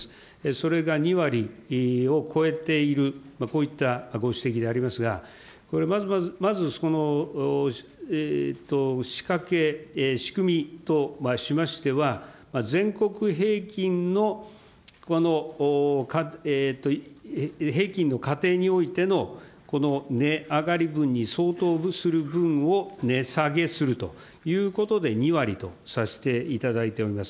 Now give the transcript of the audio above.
それが２割を超えている、こういったご指摘でありますが、これ、まず、その仕掛け、仕組みとしましては、全国平均の家庭においてのこの値上がり分に相当する分を値下げするということで２割とさせていただいております。